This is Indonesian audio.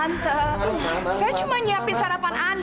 tante saya cuma menyiapkan sarapan andre